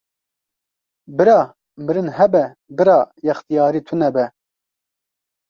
Bira mirin hebe bira yextiyarî tunebe